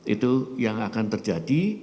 itu yang akan terjadi